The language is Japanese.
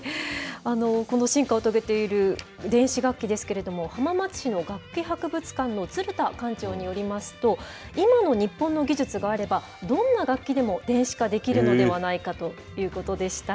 この進化を遂げている電子楽器ですけれども、浜松市の楽器博物館の鶴田館長によりますと、今の日本の技術があれば、どんな楽器でも電子化できるのではないかということでした。